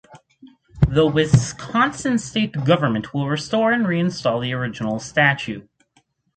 The Wisconsin state government will restore and reinstall the original statue.